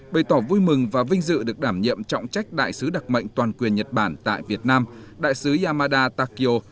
bày tỏ vui mừng và vinh dự được đảm nhiệm trọng trách đại sứ đặc mệnh toàn quyền nhật bản tại việt nam đại sứ yamada takio